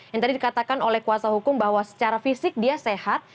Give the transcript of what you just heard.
yang tadi dikatakan oleh kuasa hukum bahwa secara fisik dia sehat